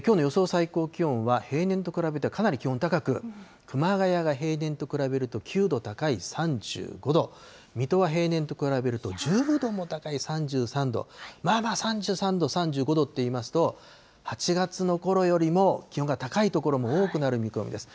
最高気温は、平年と比べてかなり気温高く、熊谷が平年と比べると９度高い３５度、水戸は平年と比べると１０度も高い３３度、まあまあ３３度、３５度といいますと、８月のころよりも気温が高い所も多くなる見込みです。